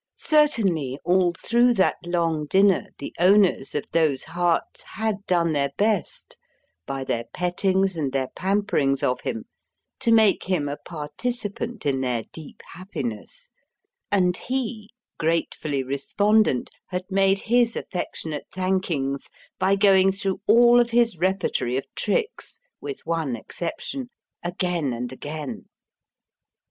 Certainly, all through that long dinner the owners of those hearts had done their best, by their pettings and their pamperings of him, to make him a participant in their deep happiness; and he, gratefully respondent, had made his affectionate thankings by going through all of his repertory of tricks with one exception again and again.